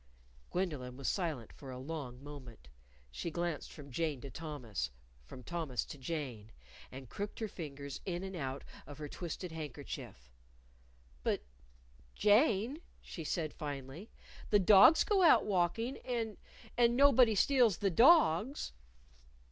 _" Gwendolyn was silent for a long moment. She glanced from Jane to Thomas, from Thomas to Jane, and crooked her fingers in and out of her twisted handkerchief. "But, Jane," she said finally, "the dogs go out walking and and nobody steals the dogs."